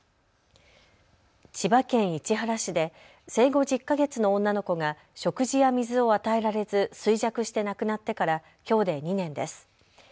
千葉県市原市で生後１０か月の女の子が食事や水を与えられず衰弱して亡くなってからきょうで２年です。